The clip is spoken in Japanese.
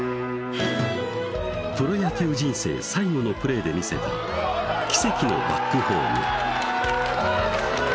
プロ野球人生最後のプレーで見せた奇跡のバックホーム